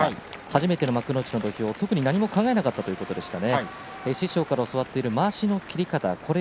初めての幕内の土俵特に何も考えなかったということですね。